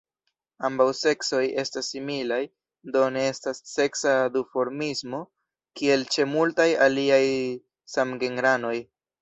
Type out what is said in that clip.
Ambaŭ seksoj estas similaj; do ne estas seksa duformismo kiel ĉe multaj aliaj samgenranoj.